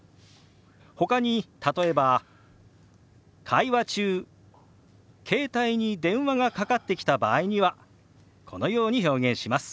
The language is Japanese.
ほかに例えば会話中携帯に電話がかかってきた場合にはこのように表現します。